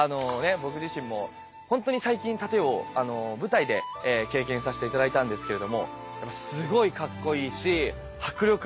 僕自身も本当に最近殺陣を舞台で経験させて頂いたんですけれどもすごいかっこいいし迫力もあるし。